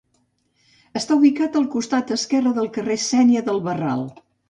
Està ubicat al costat esquerre del carrer Sénia del Barral.